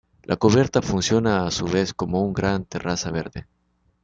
La cubierta funciona a su vez como una gran terraza verde.